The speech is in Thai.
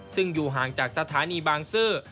ซึ่งอยู่ห่างจากสถานีบางซื่อ